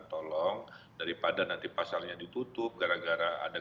tolong daripada nanti pasarnya ditutup gara gara ada kesalahan